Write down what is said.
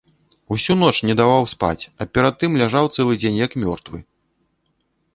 Усю ноч не даваў спаць, а перад тым ляжаў цэлы дзень як мёртвы.